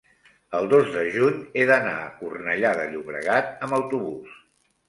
el dos de juny he d'anar a Cornellà de Llobregat amb autobús.